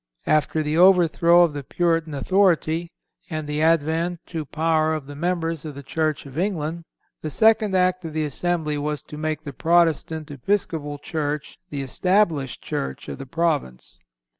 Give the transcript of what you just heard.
(310) After the overthrow of the Puritan authority, and the advent to power of the members of the Church of England, the second act of the Assembly was to make the Protestant Episcopal Church the established church of the Province.